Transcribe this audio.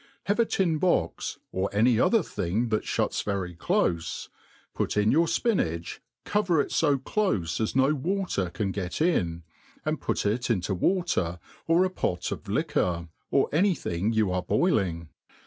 HAVE a tin box, or any other thing that (huts very clofe, put in your fpinach, cover it fo clofe as no water can get in, and put it into water, or a pot of liquor, or any thing you are boiling.